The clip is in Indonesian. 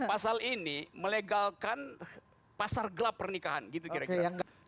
pasal ini melegalkan pasar gelap pernikahan gitu kira kira